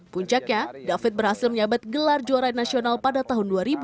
puncaknya david berhasil menyabat gelar juara nasional pada tahun dua ribu dua